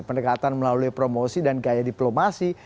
pendekatan melalui promosi dan gaya diplomasi